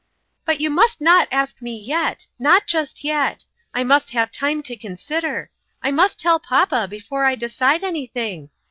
" But you must not ask me yet not just yet. I must have time to consider. I must tell papa before I decide anything.